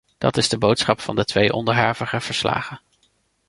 Dat is de boodschap van de twee onderhavige verslagen.